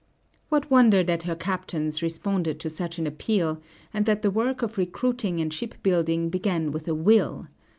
What wonder that her captains responded to such an appeal, and that the work of recruiting and shipbuilding began with a will!